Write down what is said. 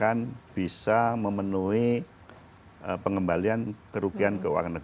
amin baik pak boyang